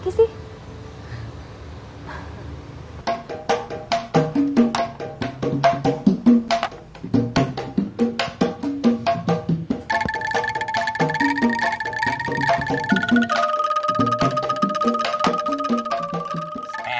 tidak ada apa apa